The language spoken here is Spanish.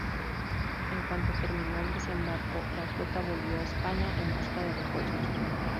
En cuanto terminó el desembarco, la flota volvió a España en busca de refuerzos.